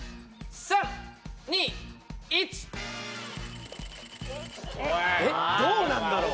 ３・２・１えっどうなんだろう？